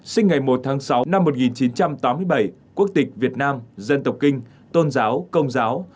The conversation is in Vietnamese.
sinh ngày một tháng sáu năm một nghìn chín trăm tám mươi bảy quốc tịch việt nam dân tộc kinh tôn giáo công giáo